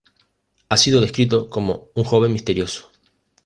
Ha sido descrito como un "joven misterioso".